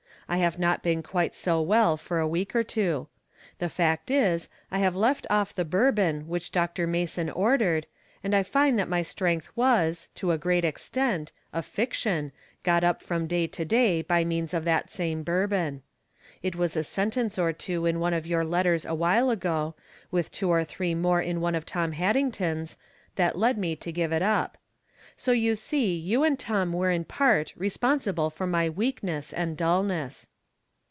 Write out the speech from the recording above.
I have not been quite so well for a week or two. The fact is, I have left off the bourbon which Dr. Mason ordered, and I find that my strength was, to a great extent, a fiction, gotten up from day to day by means of that same bourbon. It was a sentence or two in one of your letters awhile ago, with two or three more in one of Tom Haddington's, that led me to give it up. So you see you and Tom are in part res ponsible for my weakness and dullness.